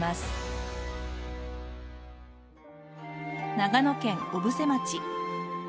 長野県小布施町。